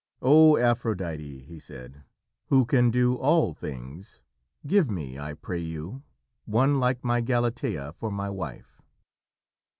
"O Aphrodite!" he said, "who can do all things, give me, I pray you, one like my Galatea for my wife!"